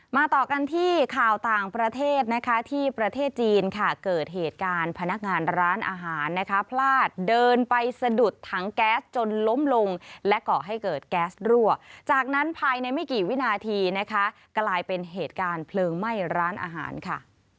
ต่อกันที่ข่าวต่างประเทศนะคะที่ประเทศจีนค่ะเกิดเหตุการณ์พนักงานร้านอาหารนะคะพลาดเดินไปสะดุดถังแก๊สจนล้มลงและก่อให้เกิดแก๊สรั่วจากนั้นภายในไม่กี่วินาทีนะคะกลายเป็นเหตุการณ์เพลิงไหม้ร้านอาหารค่ะ